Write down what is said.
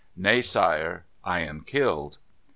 "Nay, sire; I am killed."